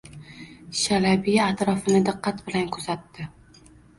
Shalabiya atrofni diqqat bilan kuzatdi